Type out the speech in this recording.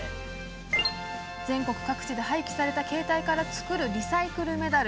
全国各地で廃棄された携帯から作るリサイクルメダル。